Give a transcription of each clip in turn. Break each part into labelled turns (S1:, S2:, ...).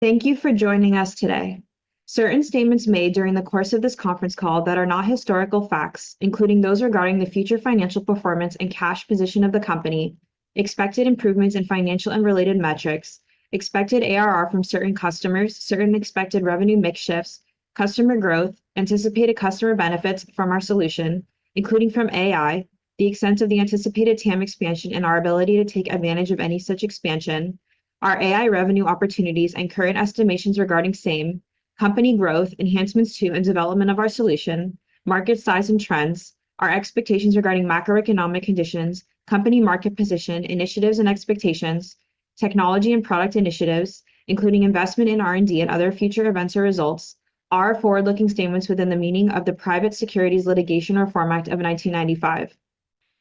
S1: Thank you for joining us today. Certain statements made during the course of this conference call that are not historical facts, including those regarding the future financial performance and cash position of the company, expected improvements in financial and related metrics, expected ARR from certain customers, certain expected revenue mix shifts, customer growth, anticipated customer benefits from our solution, including from AI, the extent of the anticipated TAM expansion and our ability to take advantage of any such expansion, our AI revenue opportunities and current estimations regarding SAME, company growth, enhancements to and development of our solution, market size and trends, our expectations regarding macroeconomic conditions, company market position, initiatives and expectations, technology and product initiatives, including investment in R&D and other future events or results, are forward-looking statements within the meaning of the Private Securities Litigation Reform Act of 1995.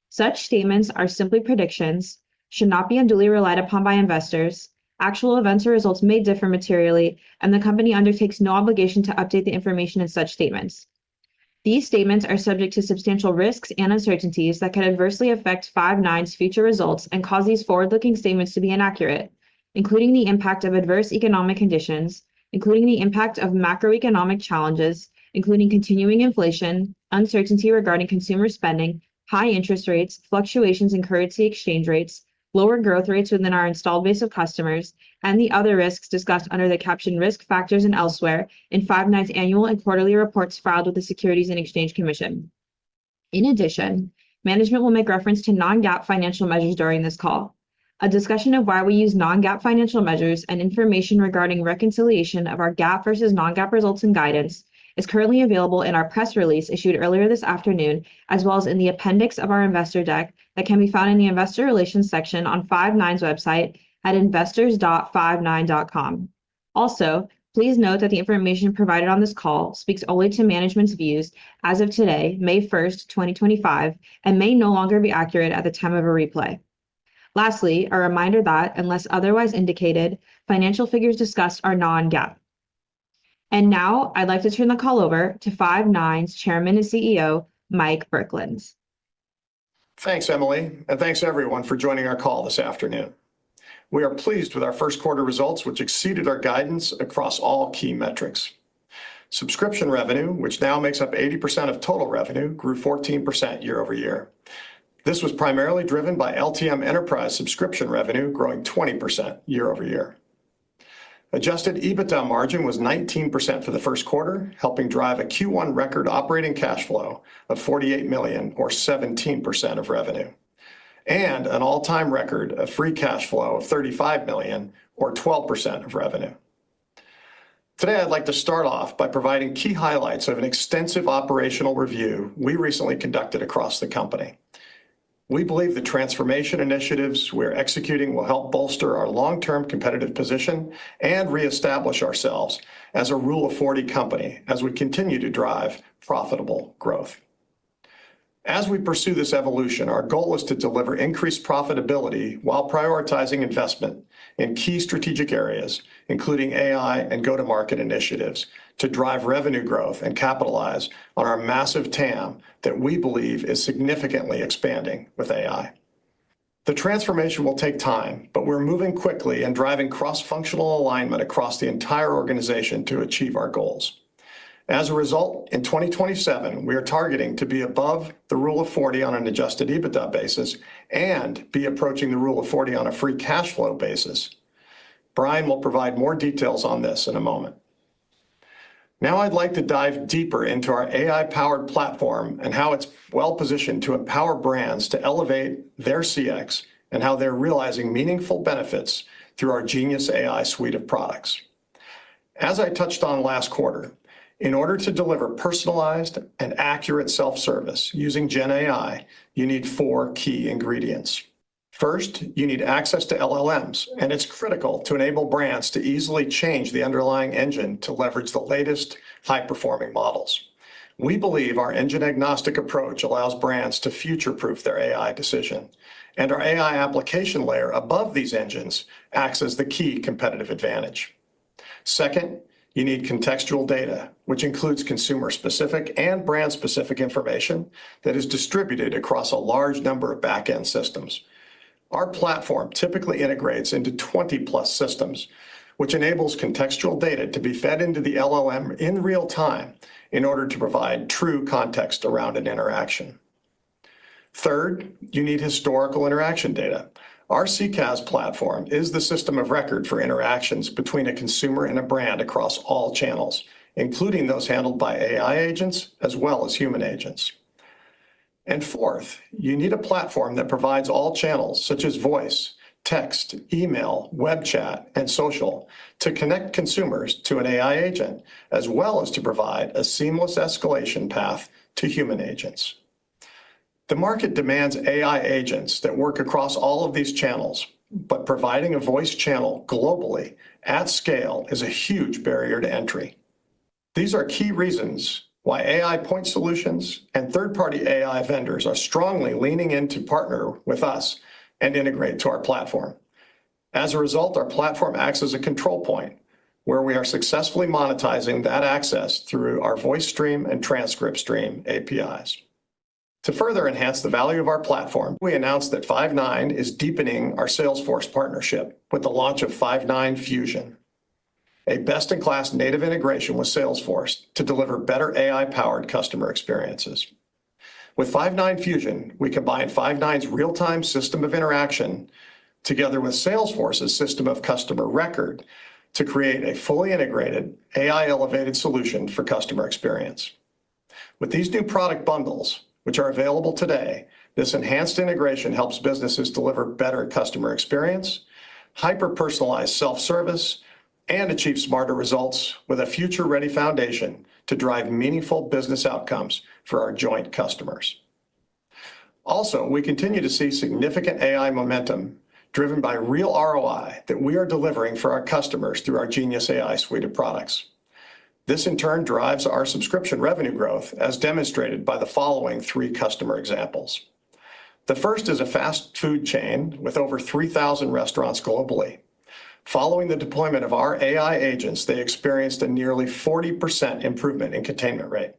S1: Such statements are simply predictions, should not be unduly relied upon by investors, actual events or results may differ materially, and the company undertakes no obligation to update the information in such statements. These statements are subject to substantial risks and uncertainties that could adversely affect Five9's future results and cause these forward-looking statements to be inaccurate, including the impact of adverse economic conditions, including the impact of macroeconomic challenges, including continuing inflation, uncertainty regarding consumer spending, high interest rates, fluctuations in currency exchange rates, lower growth rates within our installed base of customers, and the other risks discussed under the captioned risk factors and elsewhere in Five9's annual and quarterly reports filed with the Securities and Exchange Commission. In addition, management will make reference to non-GAAP financial measures during this call. A discussion of why we use non-GAAP financial measures and information regarding reconciliation of our GAAP versus non-GAAP results and guidance is currently available in our press release issued earlier this afternoon, as well as in the appendix of our investor deck that can be found in the investor relations section on Five9's website at investors.five9.com. Also, please note that the information provided on this call speaks only to management's views as of today, May 1st, 2025, and may no longer be accurate at the time of a replay. Lastly, a reminder that, unless otherwise indicated, financial figures discussed are non-GAAP. Now I'd like to turn the call over to Five9's Chairman and CEO, Mike Burkland.
S2: Thanks, Emily, and thanks to everyone for joining our call this afternoon. We are pleased with our first quarter results, which exceeded our guidance across all key metrics. Subscription revenue, which now makes up 80% of total revenue, grew 14% year-over-year. This was primarily driven by LTM Enterprise subscription revenue growing 20% year-over-year. Adjusted EBITDA margin was 19% for the first quarter, helping drive a Q1 record operating cash flow of $48 million, or 17% of revenue, and an all-time record of free cash flow of $35 million, or 12% of revenue. Today, I'd like to start off by providing key highlights of an extensive operational review we recently conducted across the company. We believe the transformation initiatives we're executing will help bolster our long-term competitive position and reestablish ourselves as a Rule of 40 company as we continue to drive profitable growth. As we pursue this evolution, our goal is to deliver increased profitability while prioritizing investment in key strategic areas, including AI and go-to-market initiatives, to drive revenue growth and capitalize on our massive TAM that we believe is significantly expanding with AI. The transformation will take time, but we're moving quickly and driving cross-functional alignment across the entire organization to achieve our goals. As a result, in 2027, we are targeting to be above the Rule of 40 on an adjusted EBITDA basis and be approaching the Rule of 40 on a free cash flow basis. Bryan will provide more details on this in a moment. Now I'd like to dive deeper into our AI-powered platform and how it's well-positioned to empower brands to elevate their CX and how they're realizing meaningful benefits through our Genius AI suite of products. As I touched on last quarter, in order to deliver personalized and accurate self-service using GenAI, you need four key ingredients. First, you need access to LLMs, and it's critical to enable brands to easily change the underlying engine to leverage the latest high-performing models. We believe our engine-agnostic approach allows brands to future-proof their AI decision, and our AI application layer above these engines acts as the key competitive advantage. Second, you need contextual data, which includes consumer-specific and brand-specific information that is distributed across a large number of back-end systems. Our platform typically integrates into 20-plus systems, which enables contextual data to be fed into the LLM in real time in order to provide true context around an interaction. Third, you need historical interaction data. Our CCAS platform is the system of record for interactions between a consumer and a brand across all channels, including those handled by AI agents as well as human agents. Fourth, you need a platform that provides all channels, such as voice, text, email, web chat, and social, to connect consumers to an AI agent as well as to provide a seamless escalation path to human agents. The market demands AI agents that work across all of these channels, but providing a voice channel globally at scale is a huge barrier to entry. These are key reasons why AI point solutions and third-party AI vendors are strongly leaning in to partner with us and integrate to our platform. As a result, our platform acts as a control point where we are successfully monetizing that access through our voice stream and transcript stream APIs. To further enhance the value of our platform, we announced that Five9 is deepening our Salesforce partnership with the launch of Five9 Fusion, a best-in-class native integration with Salesforce to deliver better AI-powered customer experiences. With Five9 Fusion, we combine Five9's real-time system of interaction together with Salesforce's system of customer record to create a fully integrated AI-elevated solution for customer experience. With these new product bundles, which are available today, this enhanced integration helps businesses deliver better customer experience, hyper-personalized self-service, and achieve smarter results with a future-ready foundation to drive meaningful business outcomes for our joint customers. Also, we continue to see significant AI momentum driven by real ROI that we are delivering for our customers through our Genius AI suite of products. This, in turn, drives our subscription revenue growth, as demonstrated by the following three customer examples. The first is a fast food chain with over 3,000 restaurants globally. Following the deployment of our AI agents, they experienced a nearly 40% improvement in containment rate.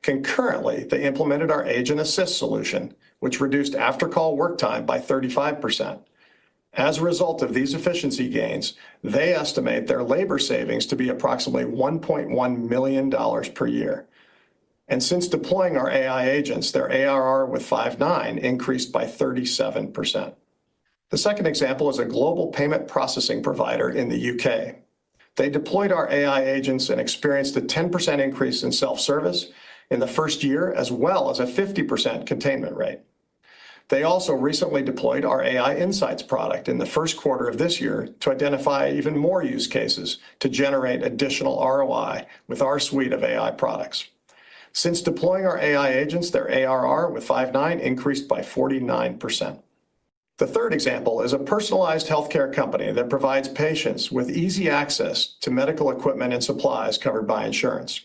S2: Concurrently, they implemented our Agent Assist solution, which reduced after-call work time by 35%. As a result of these efficiency gains, they estimate their labor savings to be approximately $1.1 million per year. Since deploying our AI agents, their ARR with Five9 increased by 37%. The second example is a global payment processing provider in the U.K. They deployed our AI agents and experienced a 10% increase in self-service in the first year, as well as a 50% containment rate. They also recently deployed our AI Insights product in the first quarter of this year to identify even more use cases to generate additional ROI with our suite of AI products. Since deploying our AI agents, their ARR with Five9 increased by 49%. The third example is a personalized healthcare company that provides patients with easy access to medical equipment and supplies covered by insurance.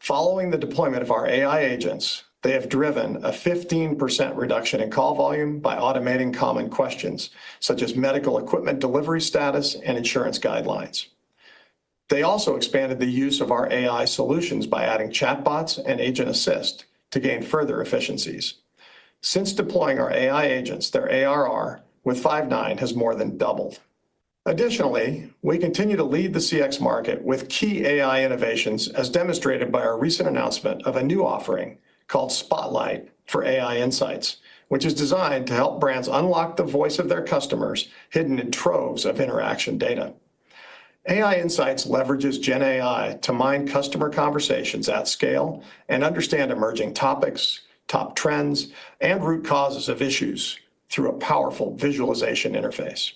S2: Following the deployment of our AI agents, they have driven a 15% reduction in call volume by automating common questions such as medical equipment delivery status and insurance guidelines. They also expanded the use of our AI solutions by adding chatbots and Agent Assist to gain further efficiencies. Since deploying our AI agents, their ARR with Five9 has more than doubled. Additionally, we continue to lead the CX market with key AI innovations, as demonstrated by our recent announcement of a new offering called Spotlight for AI Insights, which is designed to help brands unlock the voice of their customers hidden in troves of interaction data. AI Insights leverages GenAI to mine customer conversations at scale and understand emerging topics, top trends, and root causes of issues through a powerful visualization interface.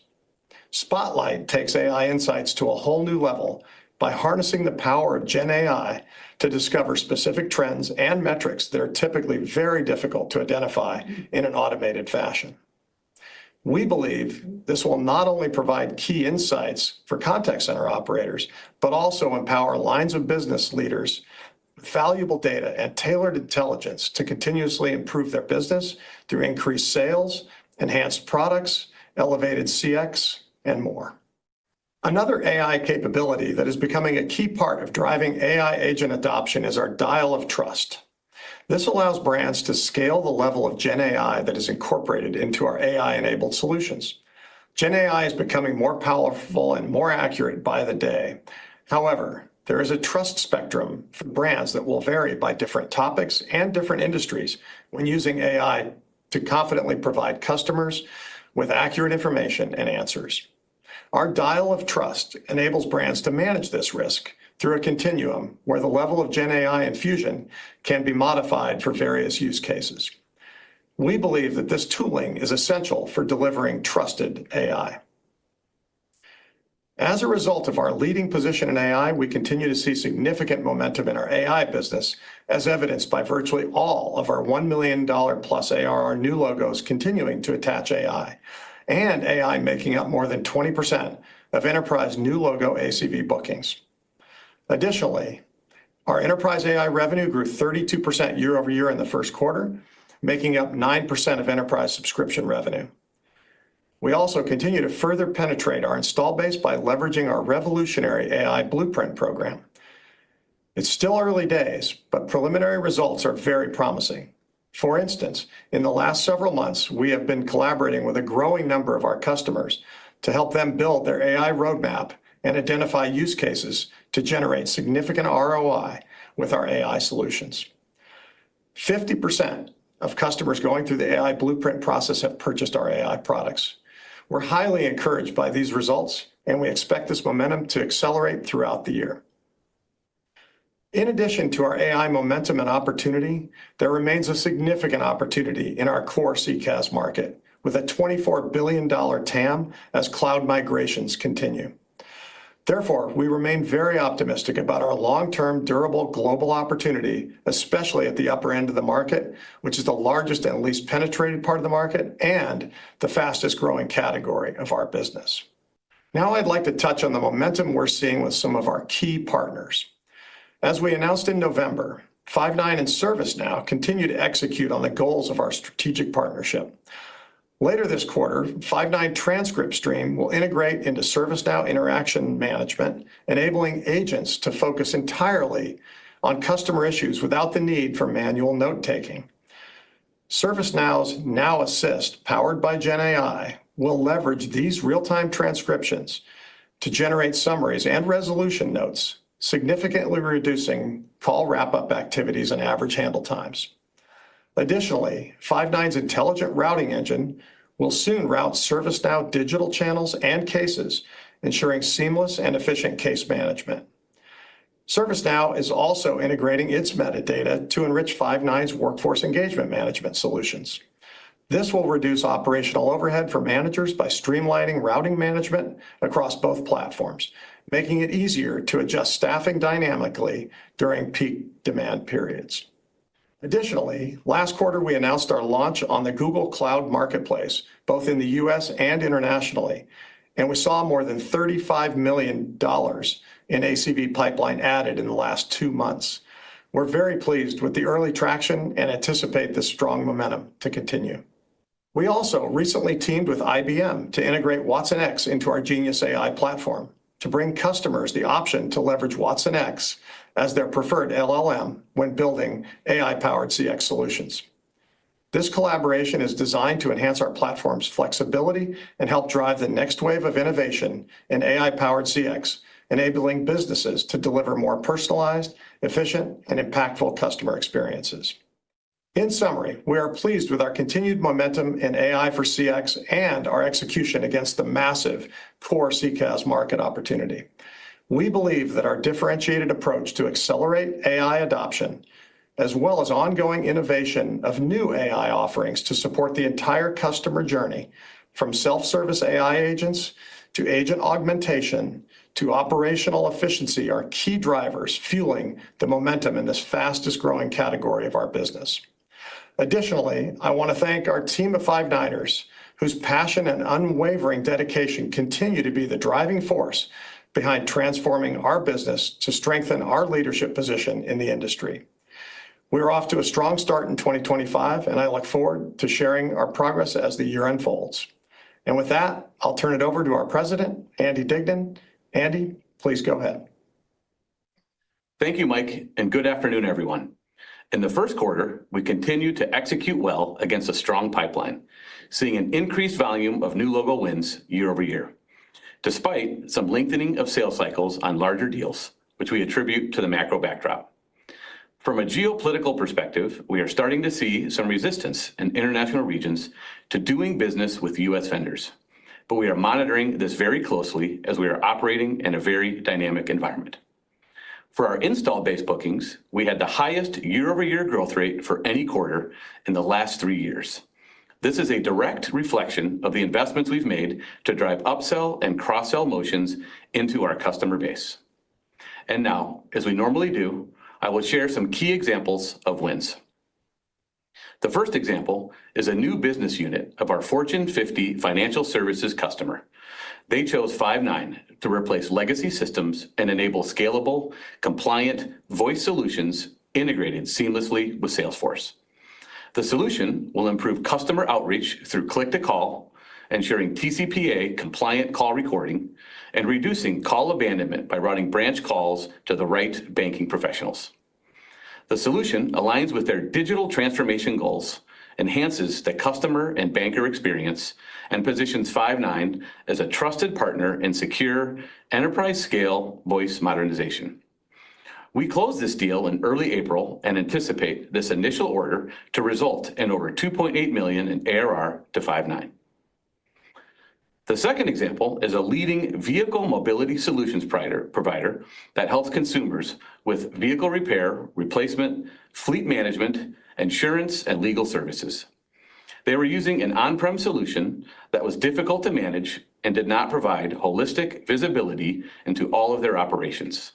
S2: Spotlight takes AI Insights to a whole new level by harnessing the power of GenAI to discover specific trends and metrics that are typically very difficult to identify in an automated fashion. We believe this will not only provide key insights for contact center operators, but also empower lines of business leaders with valuable data and tailored intelligence to continuously improve their business through increased sales, enhanced products, elevated CX, and more. Another AI capability that is becoming a key part of driving AI agent adoption is our Dial of Trust. This allows brands to scale the level of GenAI that is incorporated into our AI-enabled solutions. GenAI is becoming more powerful and more accurate by the day. However, there is a trust spectrum for brands that will vary by different topics and different industries when using AI to confidently provide customers with accurate information and answers. Our Dial of Trust enables brands to manage this risk through a continuum where the level of GenAI and fusion can be modified for various use cases. We believe that this tooling is essential for delivering trusted AI. As a result of our leading position in AI, we continue to see significant momentum in our AI business, as evidenced by virtually all of our $1 million-plus ARR new logos continuing to attach AI, and AI making up more than 20% of enterprise new logo ACV bookings. Additionally, our enterprise AI revenue grew 32% year-over-year in the first quarter, making up 9% of enterprise subscription revenue. We also continue to further penetrate our install base by leveraging our revolutionary AI Blueprint program. It's still early days, but preliminary results are very promising. For instance, in the last several months, we have been collaborating with a growing number of our customers to help them build their AI roadmap and identify use cases to generate significant ROI with our AI solutions. 50% of customers going through the AI Blueprint process have purchased our AI products. We're highly encouraged by these results, and we expect this momentum to accelerate throughout the year. In addition to our AI momentum and opportunity, there remains a significant opportunity in our core CCAS market with a $24 billion TAM as cloud migrations continue. Therefore, we remain very optimistic about our long-term durable global opportunity, especially at the upper end of the market, which is the largest and least penetrated part of the market and the fastest-growing category of our business. Now I'd like to touch on the momentum we're seeing with some of our key partners. As we announced in November, Five9 and ServiceNow continue to execute on the goals of our strategic partnership. Later this quarter, Five9 Transcript Stream will integrate into ServiceNow interaction management, enabling agents to focus entirely on customer issues without the need for manual note-taking. ServiceNow's Now Assist, powered by GenAI, will leverage these real-time transcriptions to generate summaries and resolution notes, significantly reducing call wrap-up activities and average handle times. Additionally, Five9's intelligent routing engine will soon route ServiceNow digital channels and cases, ensuring seamless and efficient case management. ServiceNow is also integrating its metadata to enrich Five9's workforce engagement management solutions. This will reduce operational overhead for managers by streamlining routing management across both platforms, making it easier to adjust staffing dynamically during peak demand periods. Additionally, last quarter, we announced our launch on the Google Cloud Marketplace, both in the U.S. and internationally, and we saw more than $35 million in ACV pipeline added in the last two months. We're very pleased with the early traction and anticipate the strong momentum to continue. We also recently teamed with IBM to integrate WatsonX into our Genius AI platform to bring customers the option to leverage WatsonX as their preferred LLM when building AI-powered CX solutions. This collaboration is designed to enhance our platform's flexibility and help drive the next wave of innovation in AI-powered CX, enabling businesses to deliver more personalized, efficient, and impactful customer experiences. In summary, we are pleased with our continued momentum in AI for CX and our execution against the massive core CCAS market opportunity. We believe that our differentiated approach to accelerate AI adoption, as well as ongoing innovation of new AI offerings to support the entire customer journey from self-service AI agents to agent augmentation to operational efficiency, are key drivers fueling the momentum in this fastest-growing category of our business. Additionally, I want to thank our team of Five9ers, whose passion and unwavering dedication continue to be the driving force behind transforming our business to strengthen our leadership position in the industry. We are off to a strong start in 2025, and I look forward to sharing our progress as the year unfolds. With that, I will turn it over to our President, Andy Dignan. Andy, please go ahead.
S3: Thank you, Mike, and good afternoon, everyone. In the first quarter, we continue to execute well against a strong pipeline, seeing an increased volume of new logo wins year-over-year, despite some lengthening of sales cycles on larger deals, which we attribute to the macro backdrop. From a geopolitical perspective, we are starting to see some resistance in international regions to doing business with U.S. vendors, but we are monitoring this very closely as we are operating in a very dynamic environment. For our install-based bookings, we had the highest year-over-year growth rate for any quarter in the last three years. This is a direct reflection of the investments we've made to drive upsell and cross-sell motions into our customer base. As we normally do, I will share some key examples of wins. The first example is a new business unit of our Fortune 50 financial services customer. They chose Five9 to replace legacy systems and enable scalable, compliant voice solutions integrated seamlessly with Salesforce. The solution will improve customer outreach through click-to-call, ensuring TCPA-compliant call recording, and reducing call abandonment by routing branch calls to the right banking professionals. The solution aligns with their digital transformation goals, enhances the customer and banker experience, and positions Five9 as a trusted partner in secure enterprise-scale voice modernization. We closed this deal in early April and anticipate this initial order to result in over $2.8 million in ARR to Five9. The second example is a leading vehicle mobility solutions provider that helps consumers with vehicle repair, replacement, fleet management, insurance, and legal services. They were using an on-prem solution that was difficult to manage and did not provide holistic visibility into all of their operations.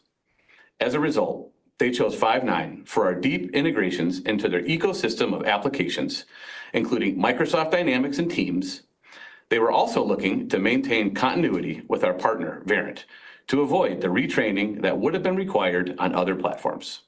S3: As a result, they chose Five9 for our deep integrations into their ecosystem of applications, including Microsoft Dynamics and Teams. They were also looking to maintain continuity with our partner, Verint, to avoid the retraining that would have been required on other platforms.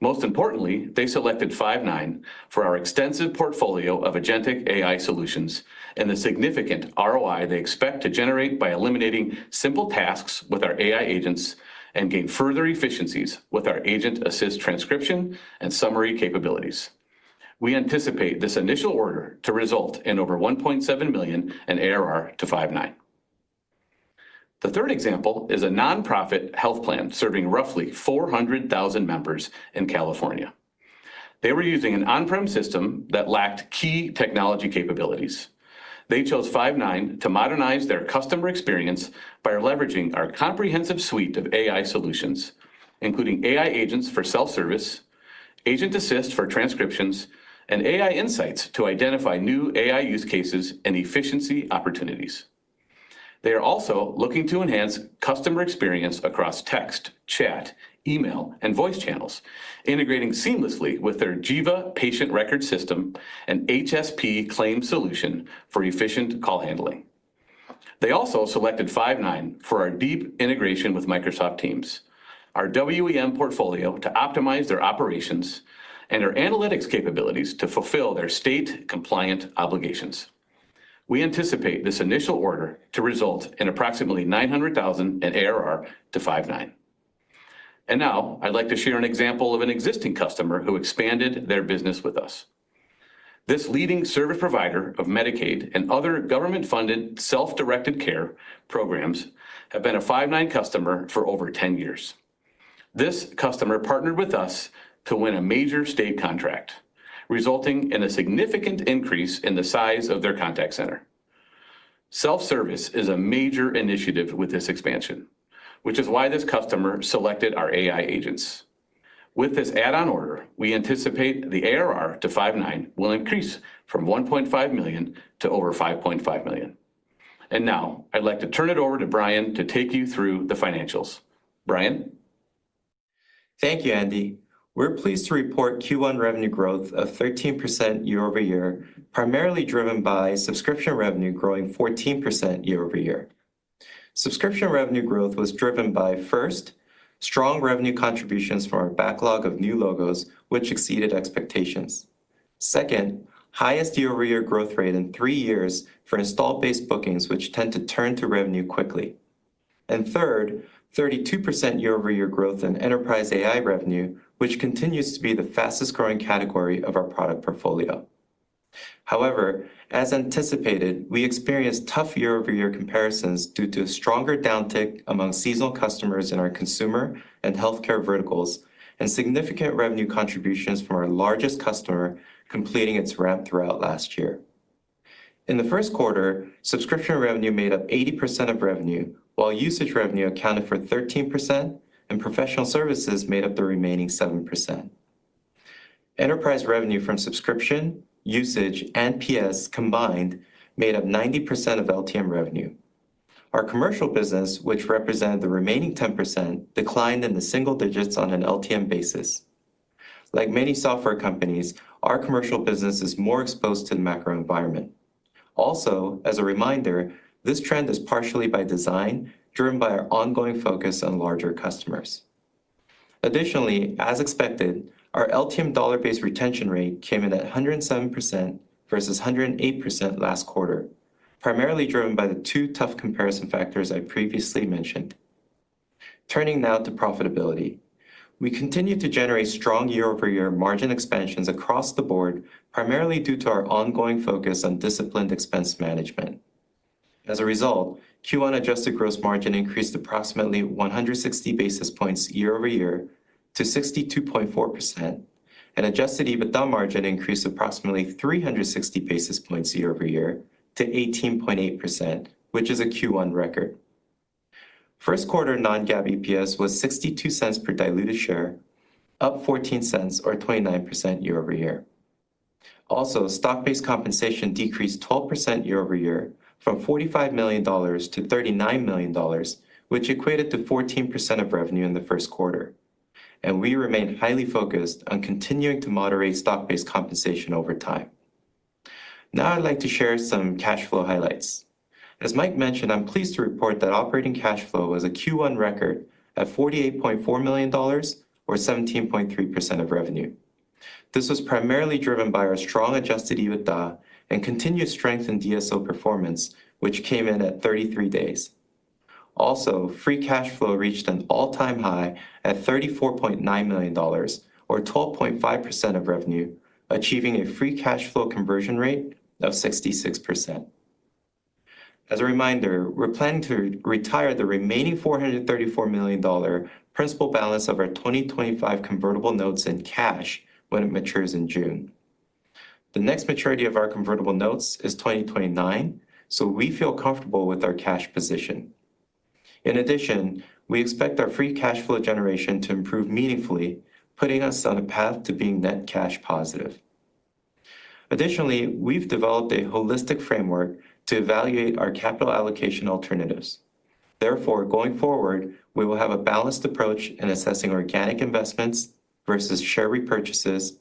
S3: Most importantly, they selected Five9 for our extensive portfolio of agentic AI solutions and the significant ROI they expect to generate by eliminating simple tasks with our AI agents and gain further efficiencies with our agent assist transcription and summary capabilities. We anticipate this initial order to result in over $1.7 million in ARR to Five9. The third example is a nonprofit health plan serving roughly 400,000 members in California. They were using an on-prem system that lacked key technology capabilities. They chose Five9 to modernize their customer experience by leveraging our comprehensive suite of AI solutions, including AI agents for self-service, Agent Assist for transcriptions, and AI Insights to identify new AI use cases and efficiency opportunities. They are also looking to enhance customer experience across text, chat, email, and voice channels, integrating seamlessly with their Jiva patient record system and HSP claim solution for efficient call handling. They also selected Five9 for our deep integration with Microsoft Teams, our WEM portfolio to optimize their operations, and our analytics capabilities to fulfill their state-compliant obligations. We anticipate this initial order to result in approximately $900,000 in ARR to Five9. I would like to share an example of an existing customer who expanded their business with us. This leading service provider of Medicaid and other government-funded self-directed care programs has been a Five9 customer for over 10 years. This customer partnered with us to win a major state contract, resulting in a significant increase in the size of their contact center. Self-service is a major initiative with this expansion, which is why this customer selected our AI agents. With this add-on order, we anticipate the ARR to Five9 will increase from $1.5 million to over $5.5 million. I would like to turn it over to Bryan to take you through the financials. Bryan?
S4: Thank you, Andy. We are pleased to report Q1 revenue growth of 13% year-over-year, primarily driven by subscription revenue growing 14% year-over-year. Subscription revenue growth was driven by, first, strong revenue contributions from our backlog of new logos, which exceeded expectations. Second, highest year-over-year growth rate in three years for install-based bookings, which tend to turn to revenue quickly. Third, 32% year-over-year growth in enterprise AI revenue, which continues to be the fastest-growing category of our product portfolio. However, as anticipated, we experienced tough year-over-year comparisons due to a stronger downtick among seasonal customers in our consumer and healthcare verticals and significant revenue contributions from our largest customer completing its ramp throughout last year. In the first quarter, subscription revenue made up 80% of revenue, while usage revenue accounted for 13%, and professional services made up the remaining 7%. Enterprise revenue from subscription, usage, and PS combined made up 90% of LTM revenue. Our commercial business, which represented the remaining 10%, declined in the single digits on an LTM basis. Like many software companies, our commercial business is more exposed to the macro environment. Also, as a reminder, this trend is partially by design, driven by our ongoing focus on larger customers. Additionally, as expected, our LTM dollar-based retention rate came in at 107% versus 108% last quarter, primarily driven by the two tough comparison factors I previously mentioned. Turning now to profitability. We continue to generate strong year-over-year margin expansions across the board, primarily due to our ongoing focus on disciplined expense management. As a result, Q1 adjusted gross margin increased approximately 160 basis points year-over-year to 62.4%, and adjusted EBITDA margin increased approximately 360 basis points year-over-year to 18.8%, which is a Q1 record. First quarter non-GAAP EPS was $0.62 per diluted share, up $0.14 or 29% year-over-year. Also, stock-based compensation decreased 12% year-over-year from $45 million to $39 million, which equated to 14% of revenue in the first quarter. We remain highly focused on continuing to moderate stock-based compensation over time. Now I'd like to share some cash flow highlights. As Mike mentioned, I'm pleased to report that operating cash flow was a Q1 record at $48.4 million or 17.3% of revenue. This was primarily driven by our strong adjusted EBITDA and continued strength in DSO performance, which came in at 33 days. Also, free cash flow reached an all-time high at $34.9 million or 12.5% of revenue, achieving a free cash flow conversion rate of 66%. As a reminder, we're planning to retire the remaining $434 million principal balance of our 2025 convertible notes in cash when it matures in June. The next maturity of our convertible notes is 2029, so we feel comfortable with our cash position. In addition, we expect our free cash flow generation to improve meaningfully, putting us on a path to being net cash positive. Additionally, we've developed a holistic framework to evaluate our capital allocation alternatives. Therefore, going forward, we will have a balanced approach in assessing organic investments versus share repurchases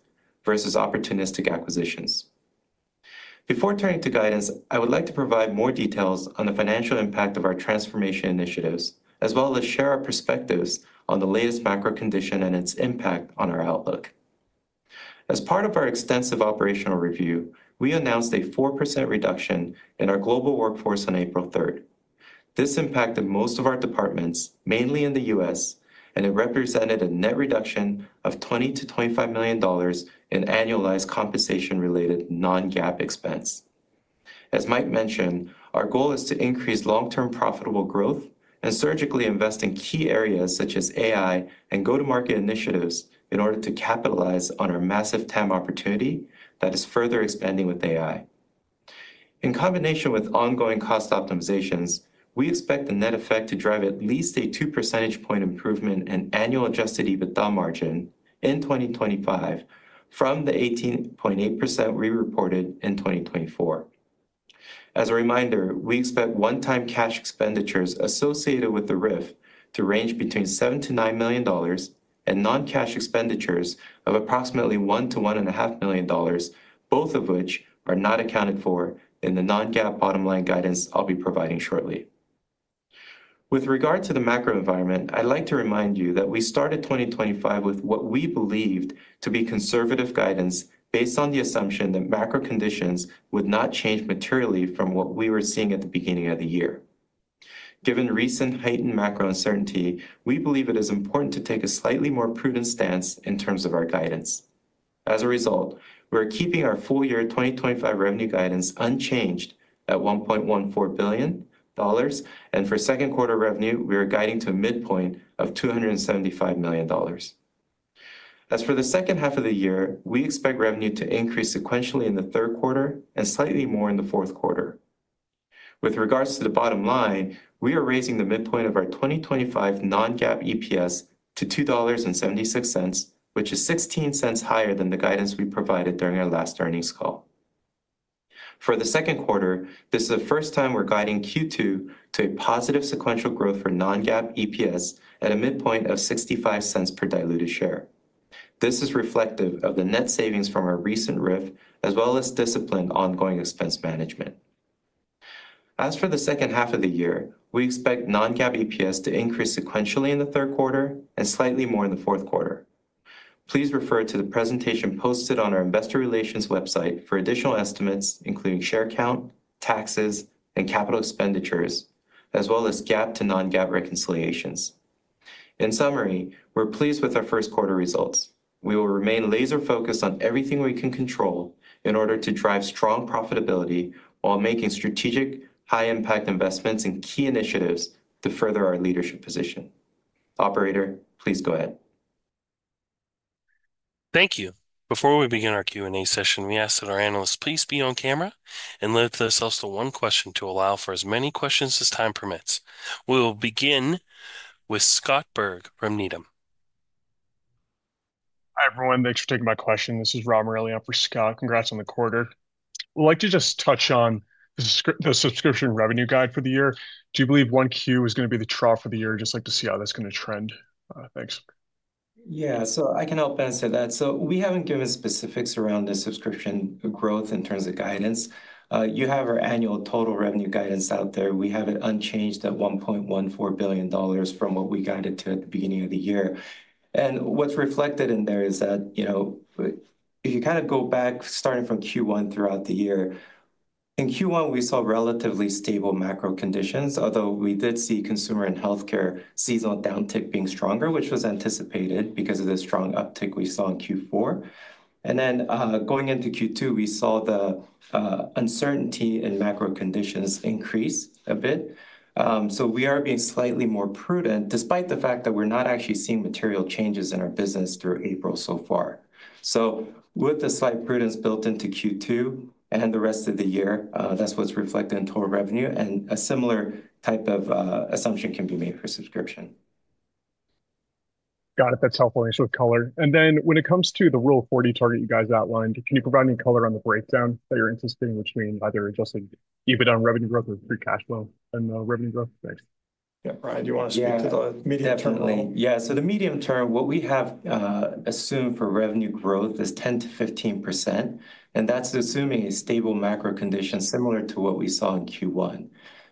S4: versus opportunistic acquisitions. Before turning to guidance, I would like to provide more details on the financial impact of our transformation initiatives, as well as share our perspectives on the latest macro condition and its impact on our outlook. As part of our extensive operational review, we announced a 4% reduction in our global workforce on April 3rd. This impacted most of our departments, mainly in the U.S., and it represented a net reduction of $20 million-$25 million in annualized compensation-related non-GAAP expense. As Mike mentioned, our goal is to increase long-term profitable growth and surgically invest in key areas such as AI and go-to-market initiatives in order to capitalize on our massive TAM opportunity that is further expanding with AI. In combination with ongoing cost optimizations, we expect the net effect to drive at least a 2 percentage point improvement in annual adjusted EBITDA margin in 2025 from the 18.8% we reported in 2024. As a reminder, we expect one-time cash expenditures associated with the RIF to range between $7 million-9 million and non-cash expenditures of approximately $1 million-$1.5 million, both of which are not accounted for in the non-GAAP bottom line guidance I'll be providing shortly. With regard to the macro environment, I'd like to remind you that we started 2025 with what we believed to be conservative guidance based on the assumption that macro conditions would not change materially from what we were seeing at the beginning of the year. Given recent heightened macro uncertainty, we believe it is important to take a slightly more prudent stance in terms of our guidance. As a result, we're keeping our full year 2025 revenue guidance unchanged at $1.14 billion, and for second quarter revenue, we are guiding to a midpoint of $275 million. As for the second half of the year, we expect revenue to increase sequentially in the third quarter and slightly more in the fourth quarter. With regards to the bottom line, we are raising the midpoint of our 2025 non-GAAP EPS to $2.76, which is $0.16 higher than the guidance we provided during our last earnings call. For the second quarter, this is the first time we're guiding Q2 to a positive sequential growth for non-GAAP EPS at a midpoint of $0.65 per diluted share. This is reflective of the net savings from our recent RIF, as well as disciplined ongoing expense management. As for the second half of the year, we expect non-GAAP EPS to increase sequentially in the third quarter and slightly more in the fourth quarter. Please refer to the presentation posted on our investor relations website for additional estimates, including share count, taxes, and capital expenditures, as well as GAAP to non-GAAP reconciliations. In summary, we're pleased with our first quarter results. We will remain laser-focused on everything we can control in order to drive strong profitability while making strategic, high-impact investments in key initiatives to further our leadership position. Operator, please go ahead.
S5: Thank you. Before we begin our Q&A session, we ask that our analysts please be on camera and limit themselves to one question to allow for as many questions as time permits. We will begin with Scott Berg from Needham.
S6: Hi everyone, thanks for taking my question. This is Rob Morelli for Scott. Congrats on the quarter. We'd like to just touch on the subscription revenue guide for the year. Do you believe 1Q is going to be the trough for the year? Just like to see how that's going to trend. Thanks.
S4: Yeah, I can help answer that. We haven't given specifics around the subscription growth in terms of guidance. You have our annual total revenue guidance out there. We have it unchanged at $1.14 billion from what we guided to at the beginning of the year. What's reflected in there is that, you know, if you kind of go back starting from Q1 throughout the year, in Q1, we saw relatively stable macro conditions, although we did see consumer and healthcare seasonal downtick being stronger, which was anticipated because of the strong uptick we saw in Q4. Going into Q2, we saw the uncertainty in macro conditions increase a bit. We are being slightly more prudent despite the fact that we're not actually seeing material changes in our business through April so far. With the slight prudence built into Q2 and the rest of the year, that's what's reflected in total revenue, and a similar type of assumption can be made for subscription.
S6: Got it. That's a helpful answer with color. When it comes to the Rule of 40 target you guys outlined, can you provide any color on the breakdown that you're anticipating, which means either adjusted EBITDA revenue growth or free cash flow and revenue growth? Thanks.
S2: Yeah, Bryan, do you want to speak to the medium term?
S4: Yeah, so the medium term, what we have assumed for revenue growth is 10%-15%, and that's assuming a stable macro condition similar to what we saw in Q1.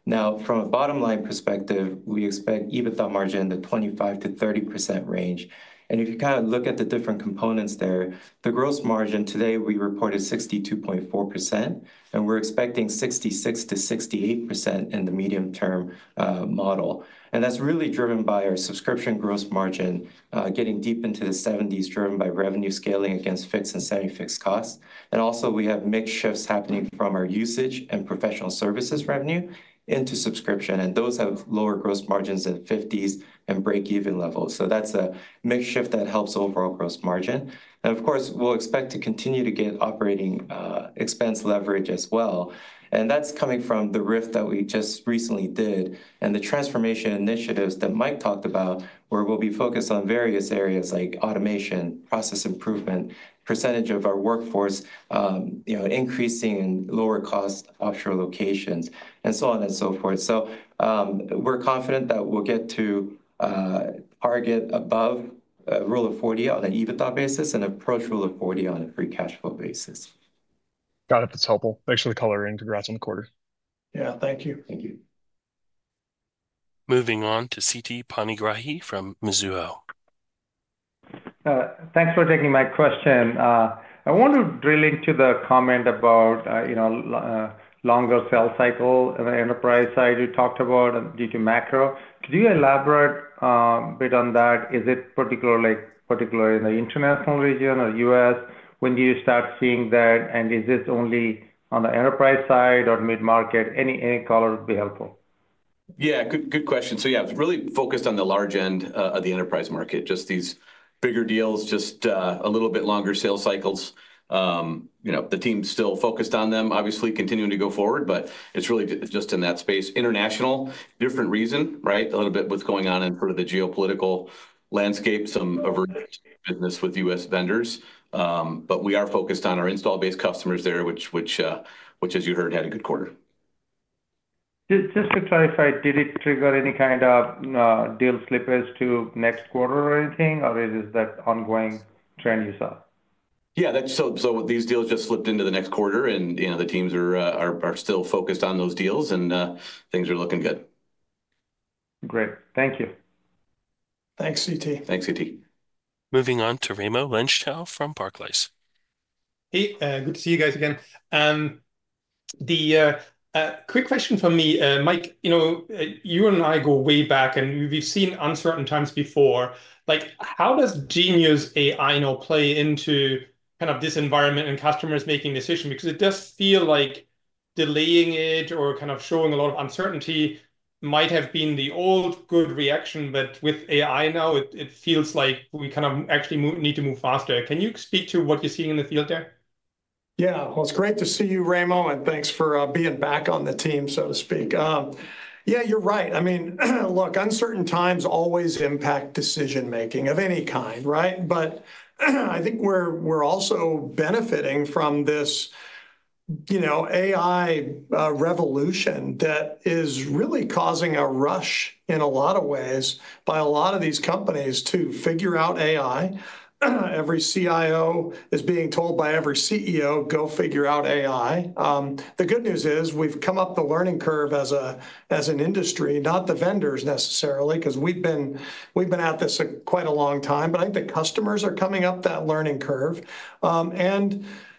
S4: Now, from a bottom line perspective, we expect EBITDA margin in the 25%-30% range. If you kind of look at the different components there, the gross margin today we reported 62.4%, and we're expecting 66%-68% in the medium-term model. That's really driven by our subscription gross margin getting deep into the 70s, driven by revenue scaling against fixed and semi-fixed costs. Also, we have mixed shifts happening from our usage and professional services revenue into subscription, and those have lower gross margins than 50s and break-even levels. That's a mixed shift that helps overall gross margin. Of course, we'll expect to continue to get operating expense leverage as well. That's coming from the RIF that we just recently did and the transformation initiatives that Mike talked about, where we'll be focused on various areas like automation, process improvement, percentage of our workforce, you know, increasing in lower cost offshore locations, and so on and so forth. We're confident that we'll get to target above Rule of 40 on an EBITDA basis and approach Rule of 40 on a free cash flow basis.
S6: Got it. That's helpful. Thanks for the coloring. Congrats on the quarter.
S2: Yeah, thank you.
S4: Thank you.
S5: Moving on to Siti Panigrahi from Mizuho.
S7: Thanks for taking my question. I want to drill into the comment about, you know, longer sell cycle on the enterprise side you talked about due to macro. Could you elaborate a bit on that? Is it particularly particular in the international region or U.S.? When do you start seeing that? Is this only on the enterprise side or mid-market? Any color would be helpful.
S3: Good question. Really focused on the large end of the enterprise market, just these bigger deals, just a little bit longer sale cycles. You know, the team's still focused on them, obviously continuing to go forward, but it's really just in that space. International, different reason, right? A little bit what's going on in sort of the geopolitical landscape, some aversion to business with U.S. vendors. We are focused on our install-based customers there, which, as you heard, had a good quarter.
S7: Just to clarify, did it trigger any kind of deal slippage to next quarter or anything, or is that an ongoing trend you saw?
S3: Yeah, that's so these deals just slipped into the next quarter, and you know, the teams are still focused on those deals, and things are looking good.
S7: Great. Thank you.
S2: Thanks, Siti.
S3: Thanks, Siti.
S5: Moving on to Raimo Lenschow from Barclays.
S8: Hey, good to see you guys again. The quick question for me, Mike, you know, you and I go way back, and we've seen uncertain times before. Like, how does Genius AI now play into kind of this environment and customers making decisions? Because it does feel like delaying it or kind of showing a lot of uncertainty might have been the old good reaction, but with AI now, it feels like we kind of actually need to move faster. Can you speak to what you're seeing in the field there?
S2: Yeah, it's great to see you, Raimo, and thanks for being back on the team, so to speak. You're right. I mean, look, uncertain times always impact decision-making of any kind, right? I think we're also benefiting from this, you know, AI revolution that is really causing a rush in a lot of ways by a lot of these companies to figure out AI. Every CIO is being told by every CEO, go figure out AI. The good news is we've come up the learning curve as an industry, not the vendors necessarily, because we've been at this quite a long time, but I think the customers are coming up that learning curve.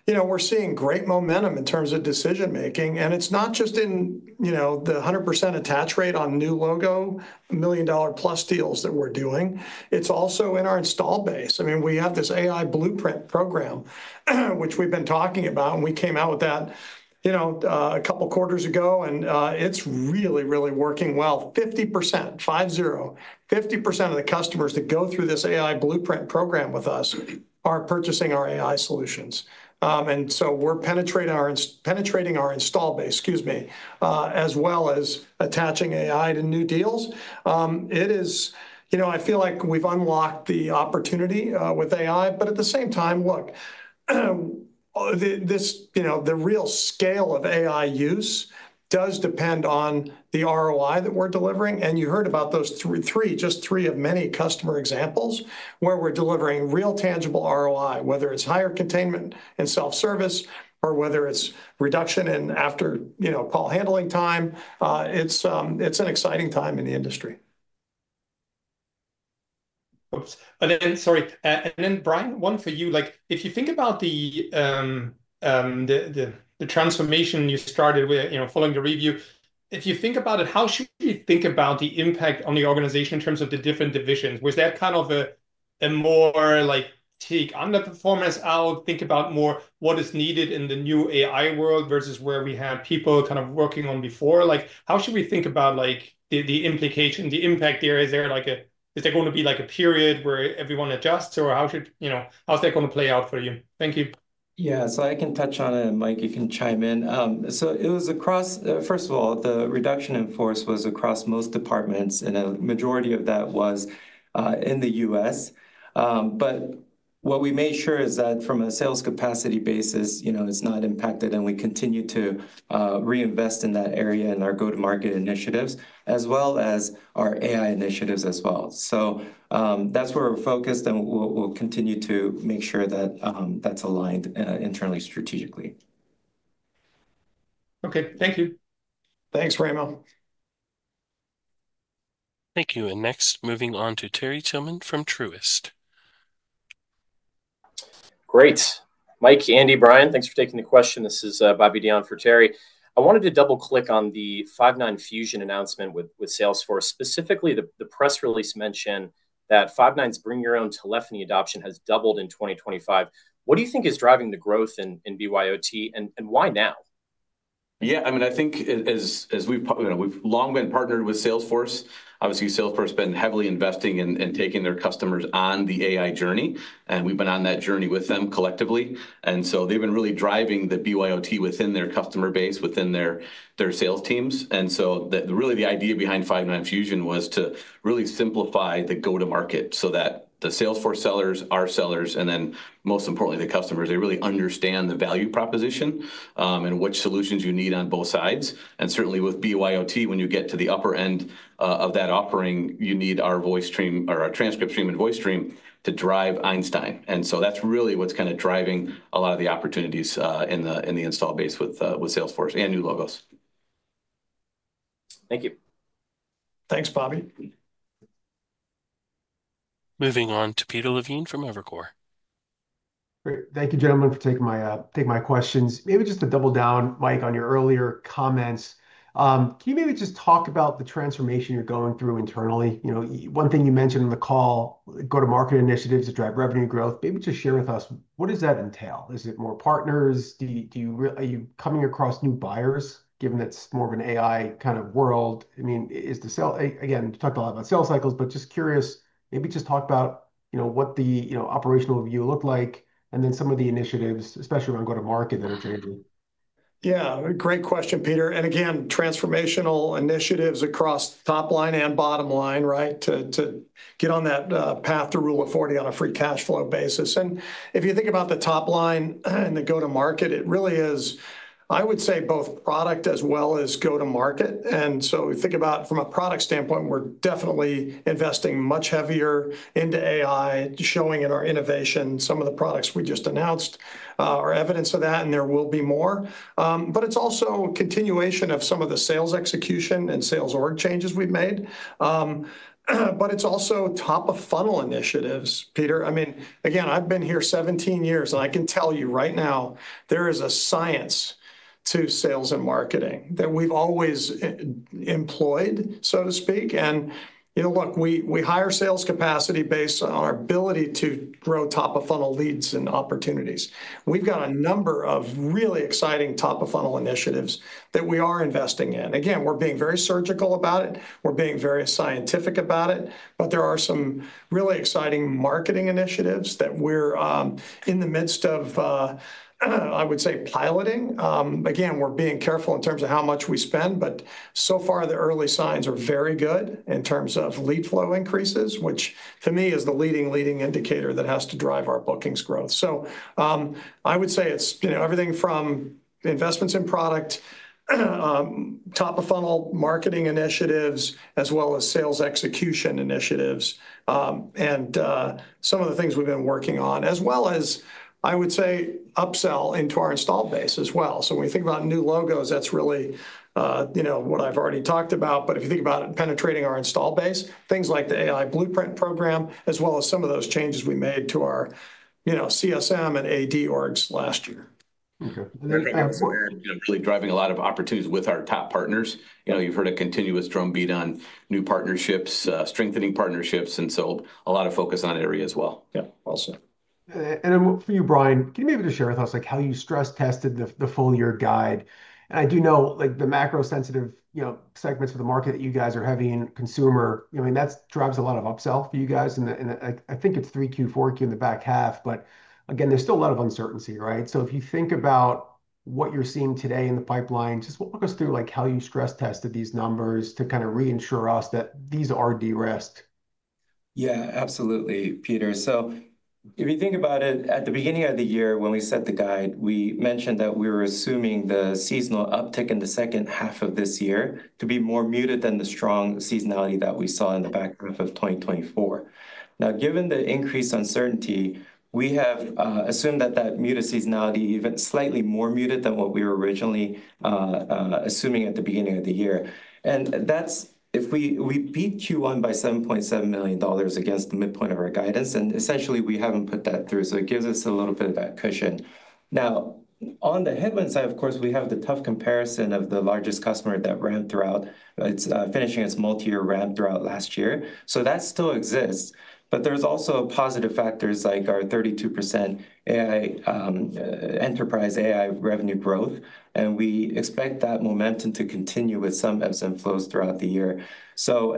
S2: You know, we're seeing great momentum in terms of decision-making. It's not just in, you know, the 100% attach rate on new logo, million-dollar-plus deals that we're doing. It's also in our install base. I mean, we have this AI Blueprint program, which we've been talking about, and we came out with that, you know, a couple quarters ago, and it's really, really working well. 50%, five-zero, 50% of the customers that go through this AI Blueprint program with us are purchasing our AI solutions. We're penetrating our install base, excuse me, as well as attaching AI to new deals. It is, you know, I feel like we've unlocked the opportunity with AI, but at the same time, look, this, you know, the real scale of AI use does depend on the ROI that we're delivering. You heard about those three, just three of many customer examples where we're delivering real tangible ROI, whether it's higher containment and self-service or whether it's reduction in after, you know, call handling time. It's an exciting time in the industry.
S8: Sorry, and then, Bryan, one for you. If you think about the transformation you started with, you know, following the review, if you think about it, how should you think about the impact on the organization in terms of the different divisions? Was that kind of a more like take underperformance out, think about more what is needed in the new AI world versus where we had people kind of working on before? How should we think about the implication, the impact there? Is there like a, is there going to be like a period where everyone adjusts, or how should, you know, how's that going to play out for you? Thank you.
S4: Yeah, I can touch on it, Mike. You can chime in. It was across, first of all, the reduction in force was across most departments, and a majority of that was in the U.S. What we made sure is that from a sales capacity basis, you know, it's not impacted, and we continue to reinvest in that area and our go-to-market initiatives as well as our AI initiatives as well. That's where we're focused, and we'll continue to make sure that that's aligned internally strategically.
S8: Okay, thank you.
S2: Thanks, Raimo.
S5: Thank you. Next, moving on to Terrell Tillman from Truist.
S9: Great. Mike, Andy, Bryan, thanks for taking the question. This is Bobby Deon for Terrell.
S2: I wanted to double-click on the Five9 Fusion announcement with Salesforce. Specifically, the press release mentioned that Five9's bring-your-own telephony adoption has doubled in 2025. What do you think is driving the growth in BYOT, and why now?
S3: Yeah, I mean, I think as we've long been partnered with Salesforce, obviously Salesforce has been heavily investing in taking their customers on the AI journey, and we've been on that journey with them collectively. They have been really driving the BYOT within their customer base, within their sales teams. The idea behind Five9 Fusion was to really simplify the go-to-market so that the Salesforce sellers, our sellers, and then most importantly, the customers, they really understand the value proposition and which solutions you need on both sides. Certainly with BYOT, when you get to the upper end of that offering, you need our voice stream or our transcript stream and voice stream to drive Einstein. That is really what is kind of driving a lot of the opportunities in the install base with Salesforce and new logos.
S9: Thank you.
S2: Thanks, Bobby.
S5: Moving on to Peter Levine from Evercore.
S10: Great. Thank you, gentlemen, for taking my questions. Maybe just to double down, Mike, on your earlier comments, can you maybe just talk about the transformation you are going through internally? You know, one thing you mentioned in the call, go-to-market initiatives to drive revenue growth, maybe just share with us, what does that entail? Is it more partners? Do you really are you coming across new buyers, given that it is more of an AI kind of world? I mean, is the sale, again, you talked a lot about sales cycles, but just curious, maybe just talk about, you know, what the, you know, operational view looked like, and then some of the initiatives, especially around go-to-market that are changing.
S2: Yeah, great question, Peter. Again, transformational initiatives across top line and bottom line, right, to get on that path to Rule of 40 on a free cash flow basis. If you think about the top line and the go-to-market, it really is, I would say, both product as well as go-to-market. We think about from a product standpoint, we're definitely investing much heavier into AI, showing in our innovation, some of the products we just announced are evidence of that, and there will be more. It's also a continuation of some of the sales execution and sales org changes we've made. It is also top-of-funnel initiatives, Peter. I mean, again, I have been here 17 years, and I can tell you right now there is a science to sales and marketing that we have always employed, so to speak. You know, look, we hire sales capacity based on our ability to grow top-of-funnel leads and opportunities. We have got a number of really exciting top-of-funnel initiatives that we are investing in. Again, we are being very surgical about it. We are being very scientific about it. There are some really exciting marketing initiatives that we are in the midst of, I would say, piloting. Again, we are being careful in terms of how much we spend, but so far the early signs are very good in terms of lead flow increases, which to me is the leading, leading indicator that has to drive our bookings growth. I would say it's, you know, everything from investments in product, top-of-funnel marketing initiatives, as well as sales execution initiatives, and some of the things we've been working on, as well as, I would say, upsell into our install base as well. When we think about new logos, that's really, you know, what I've already talked about. If you think about it, penetrating our install base, things like the AI Blueprint program, as well as some of those changes we made to our, you know, CSM and AD orgs last year.
S3: Actually driving a lot of opportunities with our top partners. You know, you've heard a continuous drumbeat on new partnerships, strengthening partnerships, and so a lot of focus on area as well.
S2: Yeah, awesome.
S10: For you, Bryan, can you maybe just share with us, like, how you stress-tested the full year guide? I do know, like, the macro-sensitive, you know, segments of the market that you guys are having consumer, you know, I mean, that drives a lot of upsell for you guys. I think it's 3Q, 4Q in the back half, but again, there's still a lot of uncertainty, right? If you think about what you're seeing today in the pipeline, just walk us through, like, how you stress-tested these numbers to kind of reinsure us that these are de-risked.
S4: Yeah, absolutely, Peter. If you think about it, at the beginning of the year, when we set the guide, we mentioned that we were assuming the seasonal uptick in the second half of this year to be more muted than the strong seasonality that we saw in the back half of 2024. Now, given the increased uncertainty, we have assumed that that muted seasonality is even slightly more muted than what we were originally assuming at the beginning of the year. That's if we beat Q1 by $7.7 million against the midpoint of our guidance, and essentially we haven't put that through, so it gives us a little bit of that cushion. On the headwind side, of course, we have the tough comparison of the largest customer that ran throughout. It's finishing its multi-year ramp throughout last year. That still exists, but there's also positive factors like our 32% AI enterprise AI revenue growth, and we expect that momentum to continue with some ebbs and flows throughout the year.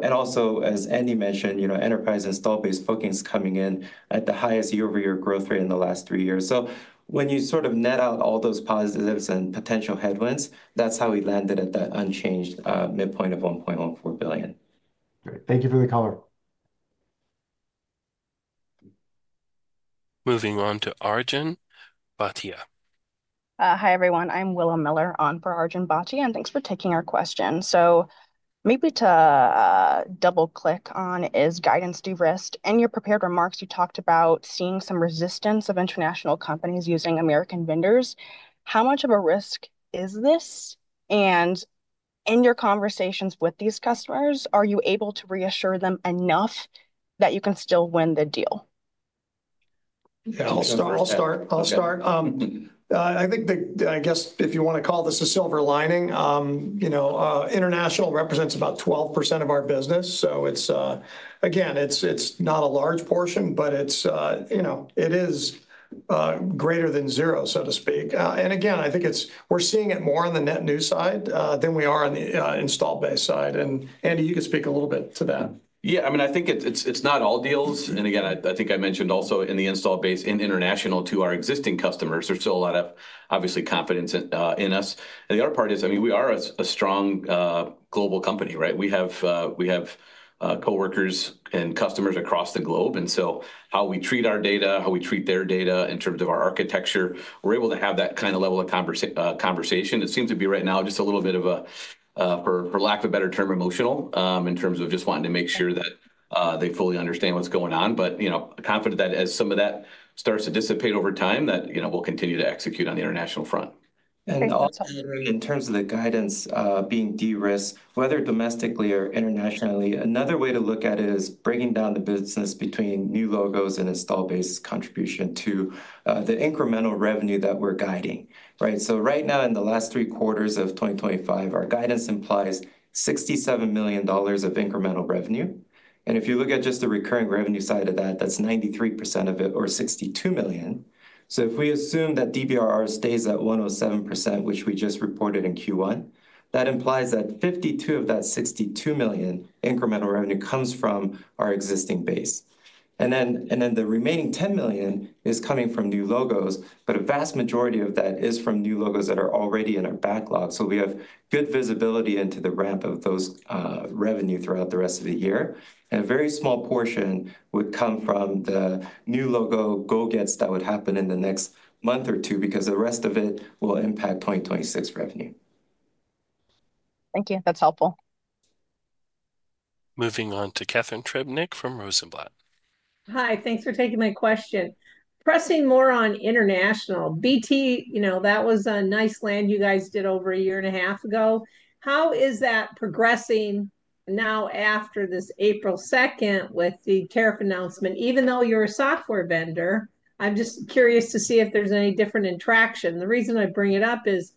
S4: Also, as Andy mentioned, you know, enterprise install-based bookings coming in at the highest year-over-year growth rate in the last three years. When you sort of net out all those positives and potential headwinds, that's how we landed at that unchanged midpoint of $1.14 billion.
S10: Great. Thank you for the color.
S5: Moving on to Arjun Bhatia.
S11: Hi, everyone. I'm Willow Miller on for Arjun Bhatia, and thanks for taking our question. Maybe to double-click on is guidance de-risked. In your prepared remarks, you talked about seeing some resistance of international companies using American vendors. How much of a risk is this? In your conversations with these customers, are you able to reassure them enough that you can still win the deal?
S2: I'll start. I think the, I guess, if you want to call this a silver lining, you know, international represents about 12% of our business. It's not a large portion, but it's, you know, it is greater than zero, so to speak. I think we're seeing it more on the net new side than we are on the install-based side. Andy, you could speak a little bit to that.
S3: Yeah, I mean, I think it's not all deals. I think I mentioned also in the install base in international to our existing customers, there's still a lot of, obviously, confidence in us. The other part is, I mean, we are a strong global company, right? We have coworkers and customers across the globe. And so how we treat our data, how we treat their data in terms of our architecture, we're able to have that kind of level of conversation. It seems to be right now just a little bit of a, for lack of a better term, emotional in terms of just wanting to make sure that they fully understand what's going on. But, you know, confident that as some of that starts to dissipate over time, that, you know, we'll continue to execute on the international front.
S4: Also in terms of the guidance being de-risked, whether domestically or internationally, another way to look at it is breaking down the business between new logos and install-based contribution to the incremental revenue that we're guiding, right? So right now, in the last three quarters of 2025, our guidance implies $67 million of incremental revenue. If you look at just the recurring revenue side of that, that's 93% of it or $62 million. If we assume that DBRR stays at 107%, which we just reported in Q1, that implies that $52 million of that $62 million incremental revenue comes from our existing base. The remaining $10 million is coming from new logos, but a vast majority of that is from new logos that are already in our backlog. We have good visibility into the ramp of those revenues throughout the rest of the year. A very small portion would come from the new logo go-getts that would happen in the next month or two because the rest of it will impact 2026 revenue.
S11: Thank you. That's helpful.
S5: Moving on to Catharine Trebnick from Rosenblatt.
S12: Hi, thanks for taking my question. Pressing more on international, BT, you know, that was a nice land you guys did over a year and a half ago. How is that progressing now after this April 2nd with the tariff announcement? Even though you're a software vendor, I'm just curious to see if there's any different interaction. The reason I bring it up is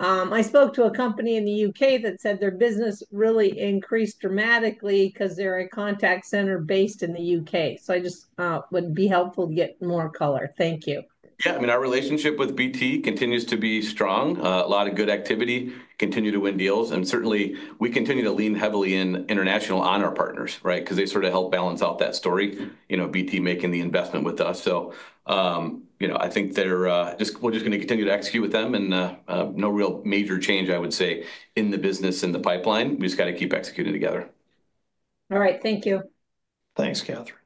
S12: I spoke to a company in the U.K. that said their business really increased dramatically because they're a contact center based in the U.K. So I just would be helpful to get more color. Thank you.
S3: Yeah, I mean, our relationship with BT continues to be strong. A lot of good activity continues to win deals. Certainly, we continue to lean heavily in international on our partners, right? Because they sort of help balance out that story, you know, BT making the investment with us. You know, I think they're just, we're just going to continue to execute with them and no real major change, I would say, in the business and the pipeline. We just got to keep executing together.
S12: All right, thank you.
S2: Thanks, Catharine.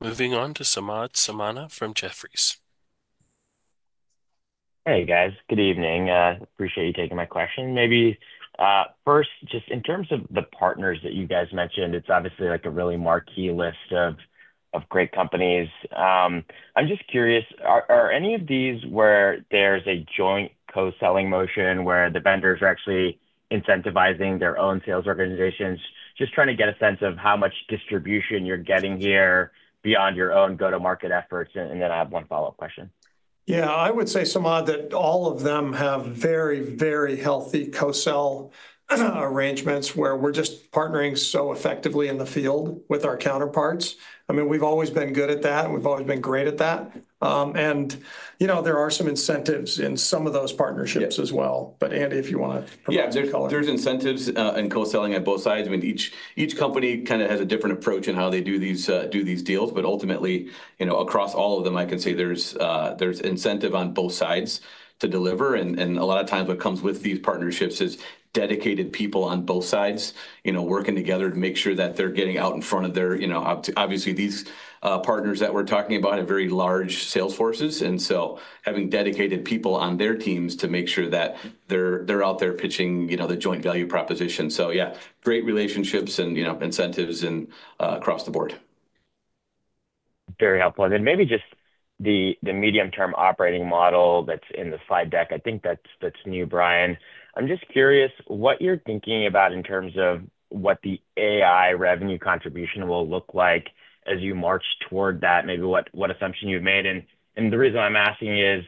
S5: Moving on to Samad Samana from Jefferies.
S13: Hey, guys, good evening. Appreciate you taking my question. Maybe first, just in terms of the partners that you guys mentioned, it's obviously like a really marquee list of great companies. I'm just curious, are any of these where there's a joint co-selling motion where the vendors are actually incentivizing their own sales organizations, just trying to get a sense of how much distribution you're getting here beyond your own go-to-market efforts? I have one follow-up question.
S2: Yeah, I would say, Samad, that all of them have very, very healthy co-sell arrangements where we're just partnering so effectively in the field with our counterparts. I mean, we've always been good at that, and we've always been great at that. You know, there are some incentives in some of those partnerships as well. Andy, if you want to provide color.
S3: Yeah, there's incentives in co-selling at both sides. I mean, each company kind of has a different approach in how they do these deals. Ultimately, you know, across all of them, I can say there's incentive on both sides to deliver. A lot of times what comes with these partnerships is dedicated people on both sides, you know, working together to make sure that they're getting out in front of their, you know, obviously these partners that we're talking about have very large sales forces. Having dedicated people on their teams to make sure that they're out there pitching, you know, the joint value proposition. Yeah, great relationships and, you know, incentives across the board.
S13: Very helpful. Maybe just the medium-term operating model that's in the slide deck, I think that's new, Bryan. I'm just curious what you're thinking about in terms of what the AI revenue contribution will look like as you march toward that, maybe what assumption you've made. The reason I'm asking is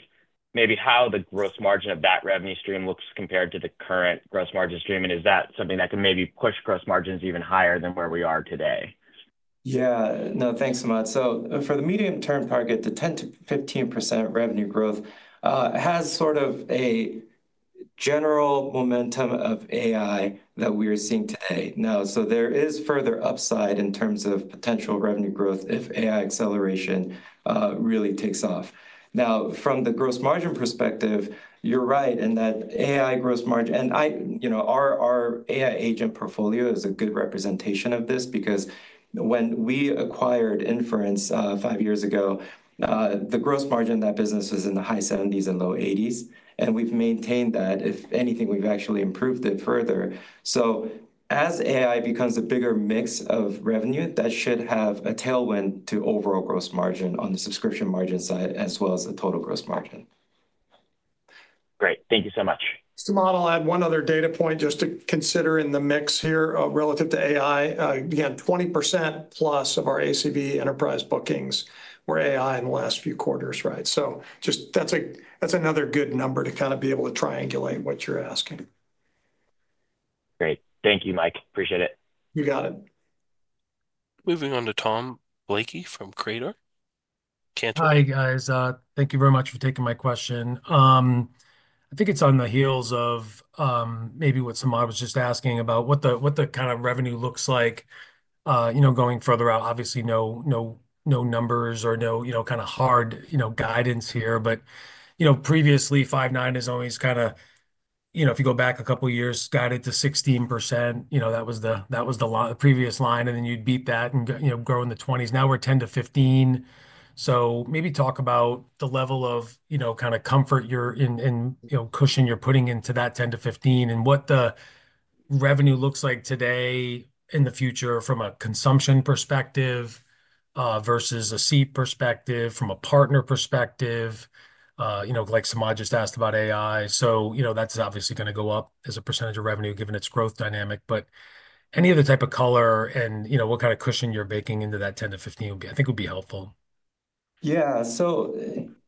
S13: maybe how the gross margin of that revenue stream looks compared to the current gross margin stream. Is that something that can maybe push gross margins even higher than where we are today?
S4: Yeah, no, thanks, Samad. For the medium-term target, the 10%-15% revenue growth has sort of a general momentum of AI that we are seeing today. There is further upside in terms of potential revenue growth if AI acceleration really takes off. From the gross margin perspective, you're right in that AI gross margin, and I, you know, our AI agent portfolio is a good representation of this because when we acquired Inference five years ago, the gross margin of that business was in the high 70s and low 80s. We've maintained that, if anything, we've actually improved it further. As AI becomes a bigger mix of revenue, that should have a tailwind to overall gross margin on the subscription margin side as well as the total gross margin.
S13: Great. Thank you so much.
S2: Samad, I'll add one other data point just to consider in the mix here relative to AI. Again, +20% of our ACV enterprise bookings were AI in the last few quarters, right? That is another good number to kind of be able to triangulate what you're asking.
S13: Great. Thank you, Mike. Appreciate it.
S2: You got it.
S5: Moving on to Tom Blakey from Cantor.
S14: Hi, guys. Thank you very much for taking my question. I think it's on the heels of maybe what Samad was just asking about what the kind of revenue looks like, you know, going further out. Obviously, no numbers or no, you know, kind of hard, you know, guidance here. Previously, Five9 has always kind of, you know, if you go back a couple of years, guided to 16%, you know, that was the previous line. And then you'd beat that and, you know, grow in the 20s. Now we're 10%-15%. Maybe talk about the level of, you know, kind of comfort you're in, you know, cushion you're putting into that 10%-15% and what the revenue looks like today in the future from a consumption perspective versus a seat perspective, from a partner perspective, you know, like Samad just asked about AI. That's obviously going to go up as a percentage of revenue given its growth dynamic. Any of the type of color and, you know, what kind of cushion you're baking into that 10%-15% would be, I think would be helpful.
S4: Yeah.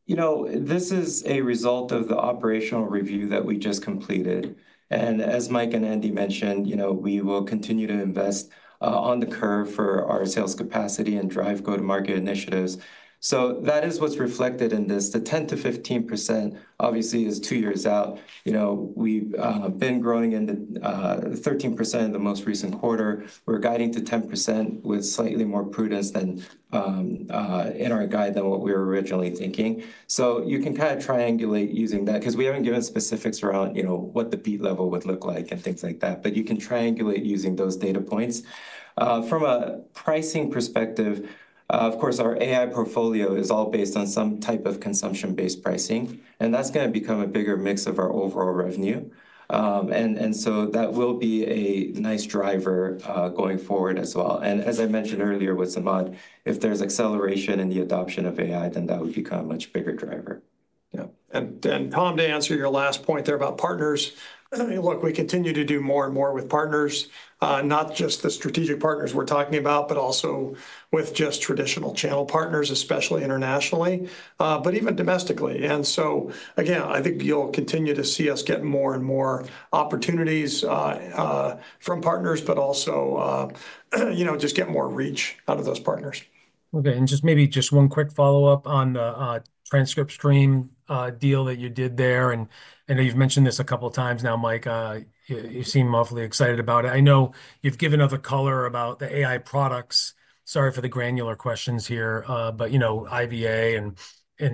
S4: You know, this is a result of the operational review that we just completed. As Mike and Andy mentioned, you know, we will continue to invest on the curve for our sales capacity and drive go-to-market initiatives. That is what's reflected in this. The 10%-15% obviously is two years out. You know, we've been growing in the 13% in the most recent quarter. We're guiding to 10% with slightly more prudence in our guide than what we were originally thinking. You can kind of triangulate using that because we haven't given specifics around, you know, what the beat level would look like and things like that. You can triangulate using those data points. From a pricing perspective, of course, our AI portfolio is all based on some type of consumption-based pricing. That's going to become a bigger mix of our overall revenue. That will be a nice driver going forward as well. As I mentioned earlier with Samad, if there's acceleration in the adoption of AI, then that would become a much bigger driver. Yeah.
S2: Tom, to answer your last point there about partners, look, we continue to do more and more with partners, not just the strategic partners we're talking about, but also with just traditional channel partners, especially internationally, but even domestically. I think you'll continue to see us get more and more opportunities from partners, but also, you know, just get more reach out of those partners.
S14: Okay. Maybe just one quick follow-up on the transcript stream deal that you did there. I know you've mentioned this a couple of times now, Mike. You seem awfully excited about it. I know you've given other color about the AI products. Sorry for the granular questions here. You know, IVA and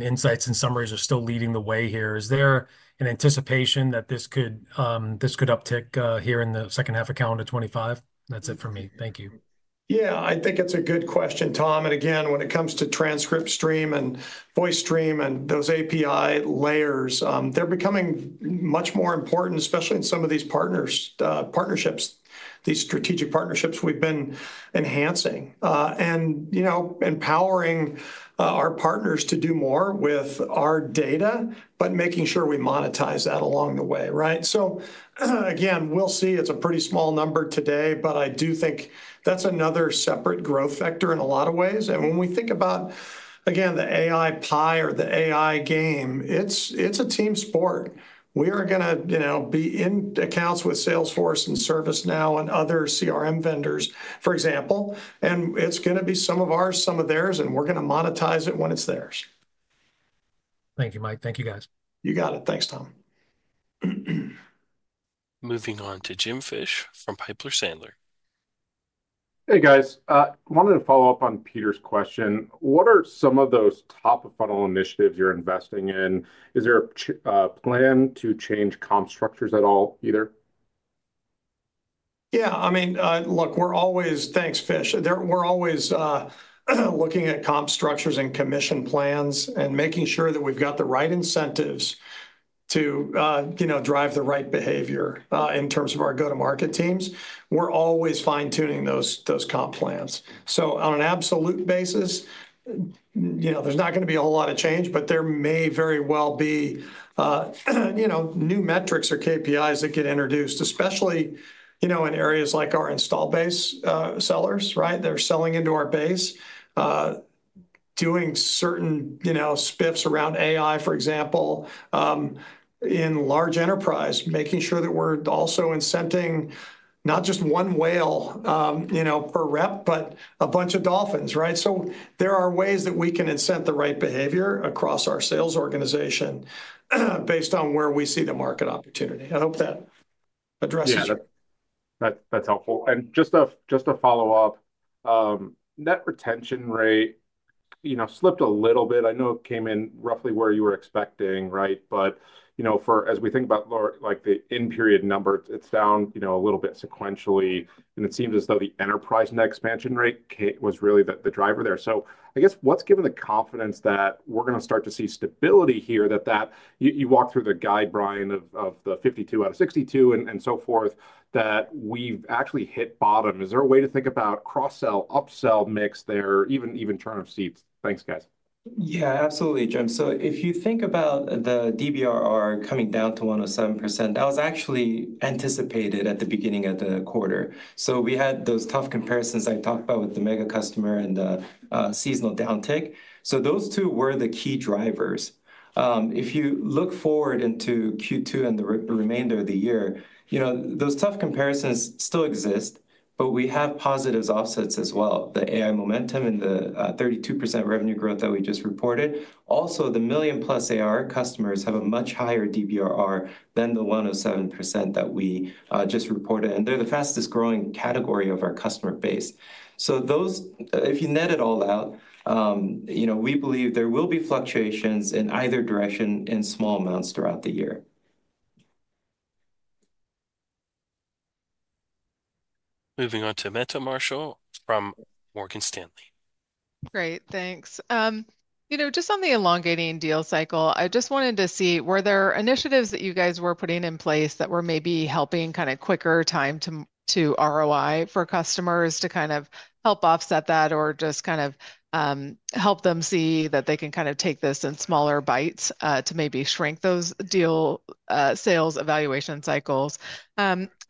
S14: Insights and Summaries are still leading the way here. Is there an anticipation that this could uptick here in the second half of calendar 2025? That's it for me. Thank you.
S2: I think it's a good question, Tom. Again, when it comes to transcript stream and voice stream and those API layers, they're becoming much more important, especially in some of these partnerships, these strategic partnerships we've been enhancing and, you know, empowering our partners to do more with our data, but making sure we monetize that along the way, right? We'll see. It's a pretty small number today, but I do think that's another separate growth factor in a lot of ways. When we think about, again, the AI pie or the AI game, it's a team sport. We are going to, you know, be in accounts with Salesforce and ServiceNow and other CRM vendors, for example. It's going to be some of ours, some of theirs, and we're going to monetize it when it's theirs.
S14: Thank you, Mike. Thank you, guys.
S2: You got it. Thanks, Tom.
S5: Moving on to Jim Fish from Piper Sandler.
S15: Hey, guys. I wanted to follow up on Peter's question. What are some of those top of funnel initiatives you're investing in? Is there a plan to change comp structures at all either?
S2: Yeah, I mean, look, we're always, thanks, Fish. We're always looking at comp structures and commission plans and making sure that we've got the right incentives to, you know, drive the right behavior in terms of our go-to-market teams. We're always fine-tuning those comp plans. On an absolute basis, you know, there's not going to be a whole lot of change, but there may very well be, you know, new metrics or KPIs that get introduced, especially, you know, in areas like our install-based sellers, right? They're selling into our base, doing certain, you know, spiffs around AI, for example, in large enterprise, making sure that we're also incenting not just one whale, you know, per rep, but a bunch of dolphins, right? There are ways that we can incent the right behavior across our sales organization based on where we see the market opportunity. I hope that addresses.
S15: Yeah, that's helpful. Just a follow-up, net retention rate, you know, slipped a little bit. I know it came in roughly where you were expecting, right? But, you know, as we think about, like, the end period number, it's down, you know, a little bit sequentially. It seems as though the enterprise net expansion rate was really the driver there. I guess what's given the confidence that we're going to start to see stability here, that you walk through the guide, Bryan, of the 52 out of 62 and so forth, that we've actually hit bottom. Is there a way to think about cross-sell, upsell mix there, even turn of seats? Thanks, guys.
S4: Yeah, absolutely, Jim. If you think about the DBRR coming down to 107%, that was actually anticipated at the beginning of the quarter. We had those tough comparisons I talked about with the mega customer and the seasonal downtick. Those two were the key drivers. If you look forward into Q2 and the remainder of the year, you know, those tough comparisons still exist, but we have positive offsets as well. The AI momentum and the 32% revenue growth that we just reported. Also, the million-plus ARR customers have a much higher DBRR than the 107% that we just reported. And they're the fastest growing category of our customer base. So those, if you net it all out, you know, we believe there will be fluctuations in either direction in small amounts throughout the year.
S5: Moving on to Meta Marshall from Morgan Stanley.
S16: Great. Thanks. You know, just on the elongating deal cycle, I just wanted to see, were there initiatives that you guys were putting in place that were maybe helping kind of quicker time to ROI for customers to kind of help offset that or just kind of help them see that they can kind of take this in smaller bites to maybe shrink those deal sales evaluation cycles.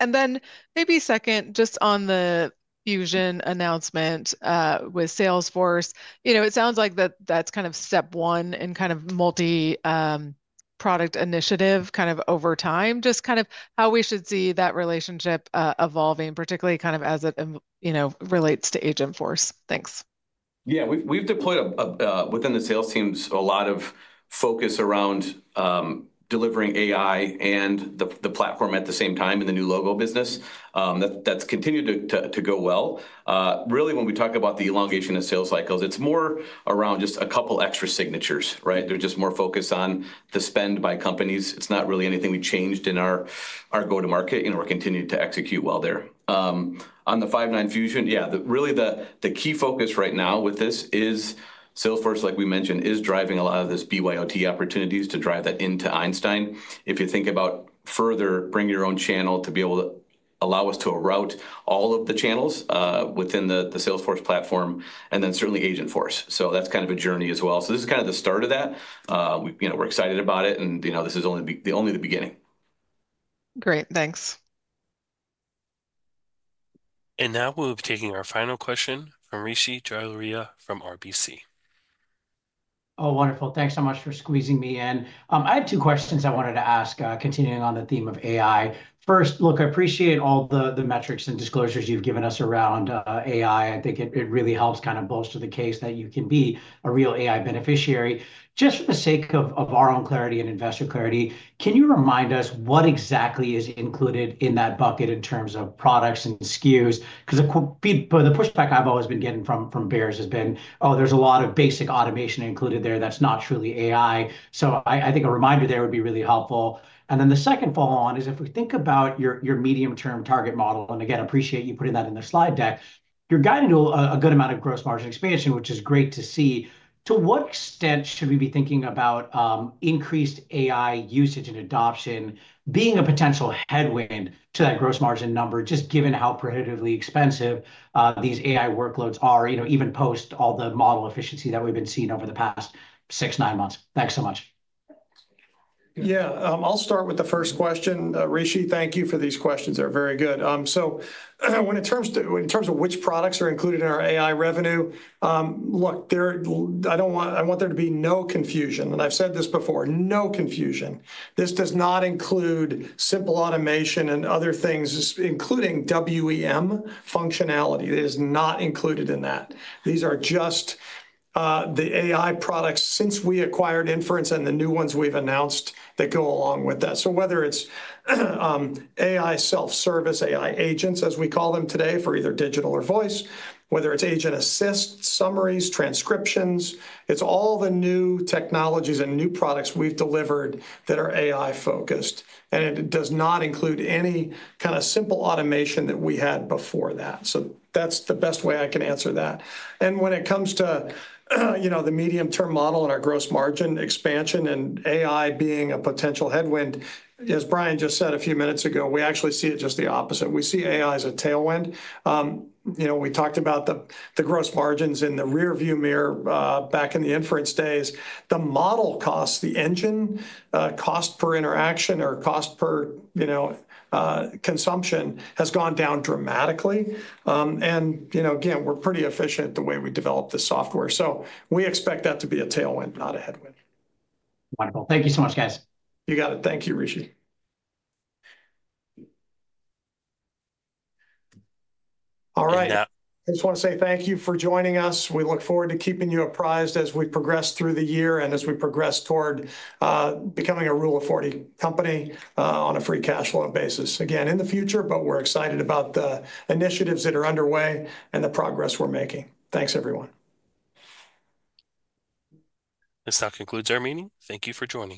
S16: And then maybe second, just on the Fusion announcement with Salesforce, you know, it sounds like that that's kind of step one in kind of multi-product initiative kind of over time, just kind of how we should see that relationship evolving, particularly kind of as it, you know, relates to Agentforce. Thanks.
S3: Yeah, we've deployed within the sales teams a lot of focus around delivering AI and the platform at the same time in the new logo business. That's continued to go well. Really, when we talk about the elongation of sales cycles, it's more around just a couple extra signatures, right? There's just more focus on the spend by companies. It's not really anything we changed in our go-to-market. You know, we're continuing to execute well there. On the Five9 Fusion, yeah, really the key focus right now with this is Salesforce, like we mentioned, is driving a lot of this BYOT opportunities to drive that into Einstein. If you think about further bringing your own channel to be able to allow us to route all of the channels within the Salesforce platform and then certainly Agentforce. That is kind of a journey as well. This is kind of the start of that. You know, we're excited about it. You know, this is only the beginning.
S16: Great. Thanks.
S5: We will be taking our final question from Rishi Jaluria from RBC.
S17: Oh, wonderful. Thanks so much for squeezing me in. I had two questions I wanted to ask continuing on the theme of AI. First, look, I appreciate all the metrics and disclosures you've given us around AI. I think it really helps kind of bolster the case that you can be a real AI beneficiary. Just for the sake of our own clarity and investor clarity, can you remind us what exactly is included in that bucket in terms of products and SKUs? Because the pushback I've always been getting from bears has been, oh, there's a lot of basic automation included there that's not truly AI. I think a reminder there would be really helpful. Then the second follow-on is if we think about your medium-term target model, and again, appreciate you putting that in the slide deck, you're guiding to a good amount of gross margin expansion, which is great to see. To what extent should we be thinking about increased AI usage and adoption being a potential headwind to that gross margin number, just given how prohibitively expensive these AI workloads are, you know, even post all the model efficiency that we've been seeing over the past six, nine months? Thanks so much.
S2: Yeah, I'll start with the first question. Rishi, thank you for these questions. They're very good. When it comes to which products are included in our AI revenue, look, I don't want there to be no confusion. And I've said this before, no confusion. This does not include simple automation and other things, including WEM functionality. It is not included in that. These are just the AI products since we acquired Inference and the new ones we've announced that go along with that. Whether it's AI self-service, AI agents, as we call them today for either digital or voice, whether it's Agent Assist, summaries, transcriptions, it's all the new technologies and new products we've delivered that are AI-focused. It does not include any kind of simple automation that we had before that. That's the best way I can answer that. When it comes to, you know, the medium-term model and our gross margin expansion and AI being a potential headwind, as Bryan just said a few minutes ago, we actually see it just the opposite. We see AI as a tailwind. You know, we talked about the gross margins in the rearview mirror back in the Inference days. The model costs, the engine cost per interaction or cost per, you know, consumption has gone down dramatically. You know, again, we're pretty efficient the way we develop the software. We expect that to be a tailwind, not a headwind.
S17: Wonderful. Thank you so much, guys.
S2: You got it. Thank you, Rishi. All right. I just want to say thank you for joining us. We look forward to keeping you apprised as we progress through the year and as we progress toward becoming a Rule of 40 company on a free cash flow basis, again, in the future, but we're excited about the initiatives that are underway and the progress we're making. Thanks, everyone.
S5: This now concludes our meeting. Thank you for joining.